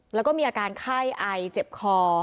แล้วก็มีอาการไข้ไอเจ็บคอ